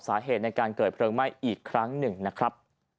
สาเหตุในการเกิดเพลิงไหม้อีกครั้งหนึ่งนะครับ